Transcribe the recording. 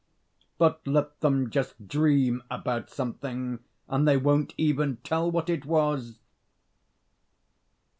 But let them just dream about something, and they won't even tell what it was!